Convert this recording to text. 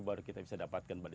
baru kita bisa dapatkan